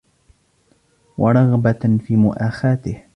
وَرَغْبَةٌ فِي مُؤَاخَاتِهِ